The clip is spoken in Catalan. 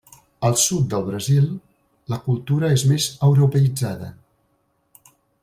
Al sud del Brasil, la cultura és més europeïtzada.